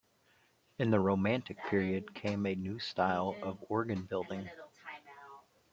In the Romantic Period came a new style of organ building.